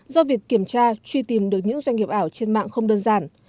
do việc kiểm tra truy tìm được những doanh nghiệp ảo trên mạng không đơn giản